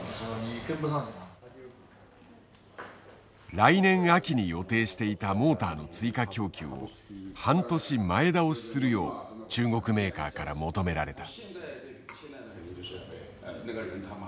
来年秋に予定していたモーターの追加供給を半年前倒しするよう中国メーカーから求められた。